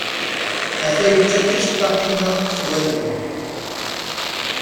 Ata yečča ticeṭṭaḥin-a s wallen.